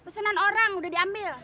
pesanan orang udah diambil